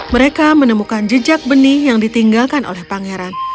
mereka menemukan jejak benih yang ditinggalkan oleh pangeran